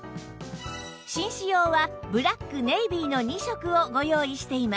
紳士用はブラックネイビーの２色をご用意しています